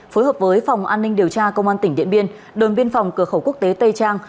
phối hợp với phòng an ninh điều tra công an tỉnh điện biên đồn biên phòng cửa khẩu quốc tế tây trang